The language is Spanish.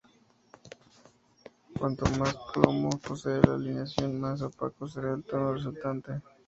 Cuanto más plomo posee la aleación, más opaco será el tono resultante.